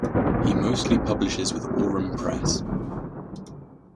He mostly publishes with Aurum Press.